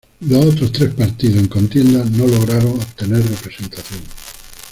Los otros tres partidos en contienda no lograron obtener representación.